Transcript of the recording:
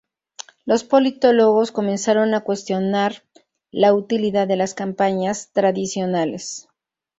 Los politólogos comenzaron a cuestionar la utilidad de las campañas tradicionales.